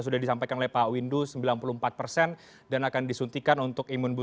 saya pertama mengapresiasi gerak cepat pemerintaan untuk segera